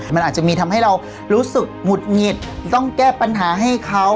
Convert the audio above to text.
มันอาจจะมีทำให้เรารู้สึกหงุดหงิดต้องแก้ปัญหาให้เขา